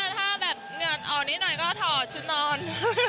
ถ้าแบบเหงื่อนออกนิดหน่อยก็ถอดชุดนอน